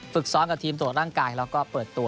ฝึกซ้อมกับทีมตรวจร่างกายแล้วก็เปิดตัว